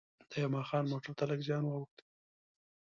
د یما خان موټر ته لږ زیان وا ووښت.